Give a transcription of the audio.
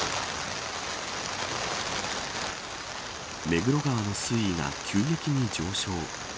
目黒川の水位が急激に上昇。